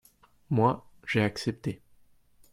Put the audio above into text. Moi, j'ai accepté.